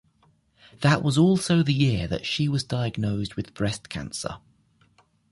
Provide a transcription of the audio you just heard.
That was also the year that she was diagnosed with breast cancer.